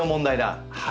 はい。